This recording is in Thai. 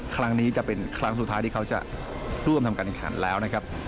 ครั้งนี้จะเป็นครั้งสุดท้ายที่เขาจะร่วมทำการแข่งขันแล้วนะครับ